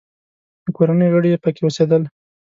د کورنۍ غړي یې پکې اوسېدل.